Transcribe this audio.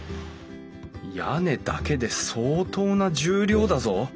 屋根だけで相当な重量だぞ。